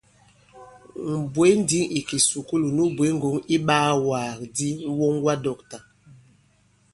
Mɛ̀ bwě ǹndǐŋ ì kìsùkulù nu bwě ŋgɔ̂ŋ iɓaawàgàdi ŋ̀woŋwadɔ̂ktà.